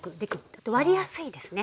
あと割りやすいですね。